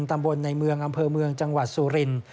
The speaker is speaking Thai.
ตำบลในเมืองอำเภอเมืองจังหวัดสุรินทร์